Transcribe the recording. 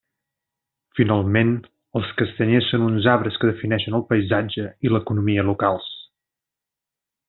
Finalment, els castanyers són uns arbres que defineixen el paisatge i l'economia locals.